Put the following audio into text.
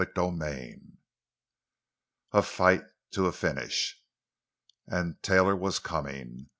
CHAPTER XX—A FIGHT TO A FINISH And Taylor was "coming."